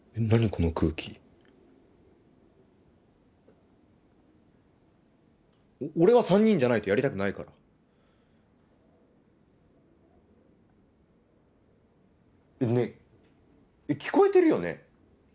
この空気俺は３人じゃないとやりたくないからねぇ聞こえてるよね？